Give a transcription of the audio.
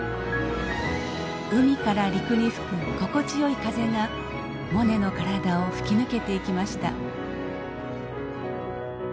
海から陸に吹く心地よい風がモネの体を吹き抜けていきました。